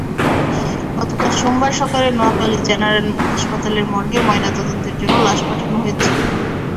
গতকাল সোমবার সকালে নোয়াখালী জেনারেল হাসপাতালের মর্গে ময়নাতদন্তের জন্য লাশ পাঠানো হয়েছে।